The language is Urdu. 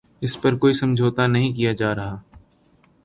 اس پر کوئی سمجھوتہ نہیں کیا جارہا